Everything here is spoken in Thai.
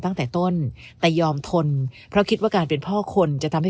ตั้งแต่ต้นแต่ยอมทนเพราะคิดว่าการเป็นพ่อคนจะทำให้